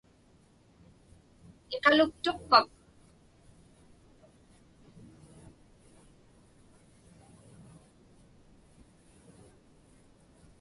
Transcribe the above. Iqaluktuqpak?